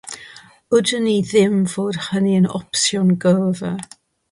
Wyddwn i ddim fod hynny'n opsiwn gyrfa..